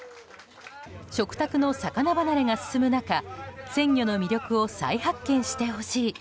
食卓の魚離れが進む中鮮魚の魅力を再発見してほしい。